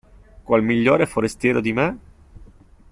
Qual migliore forestiero di me?